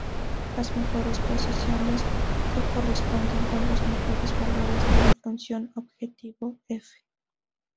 Las mejores posiciones se corresponden con los mejores valores de la función objetivo "f".